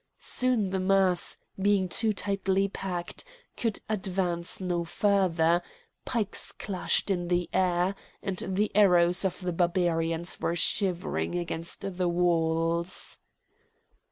Soon the mass, being too tightly packed, could advance no further; pikes clashed in the air, and the arrows of the Barbarians were shivering against the walls.